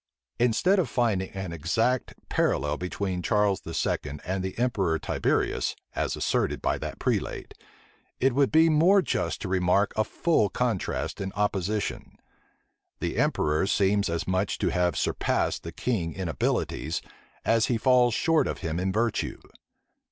Instead of finding an exact parallel between Charles II. and the emperor Tiberius, as asserted by that prelate, it would be more just to remark a full contrast and opposition. The emperor seems as much to have surpassed the king in abilities, as he falls short of him in virtue.